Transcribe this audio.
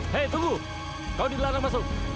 hei tunggu kau di dalam masuk